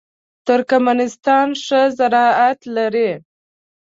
ترکمنستان ښه زراعت لري.